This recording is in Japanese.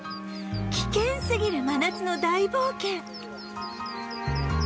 危険すぎる真夏の大冒険